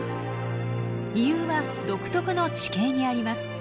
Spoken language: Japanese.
理由は独特の地形にあります。